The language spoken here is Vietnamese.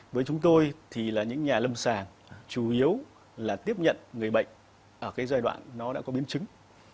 với chúng tôi thì là những nhà lâm sàng chủ yếu là tiếp nhận người bệnh ở cái giai đoạn nó đã có biến chứng